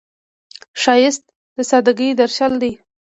ښایست د سادګۍ درشل دی